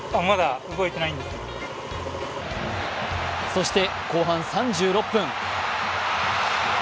そして、後半３６分。